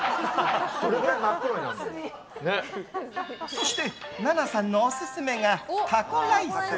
そして、ＮＡＮＡさんのオススメがタコライス。